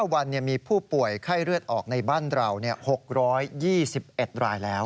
วันมีผู้ป่วยไข้เลือดออกในบ้านเรา๖๒๑รายแล้ว